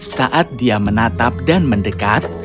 saat dia menatap dan mendekat